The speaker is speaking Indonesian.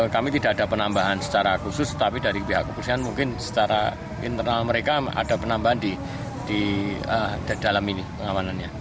kami tidak ada penambahan secara khusus tapi dari pihak kepolisian mungkin secara internal mereka ada penambahan di dalam ini pengamanannya